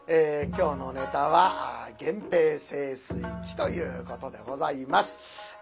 今日のネタは「源平盛衰記」ということでございます。